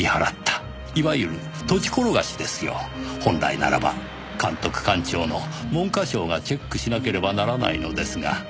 本来ならば監督官庁の文科省がチェックしなければならないのですが。